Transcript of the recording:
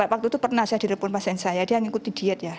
waktu itu pernah saya direpon pasien saya dia mengikuti dietnya